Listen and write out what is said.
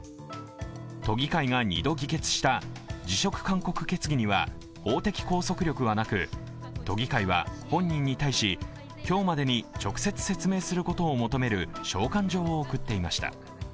都議会が２度議決した辞職勧告決議には法的拘束力はなく、都議会は本人に対し、今日までに直接説明することを求める召喚状を送っていました。